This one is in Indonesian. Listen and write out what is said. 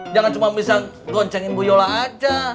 jangan cuma bisa goncengin bu yola aja